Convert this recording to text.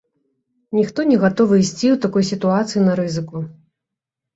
Ніхто не гатовы ісці ў такой сітуацыі на рызыку.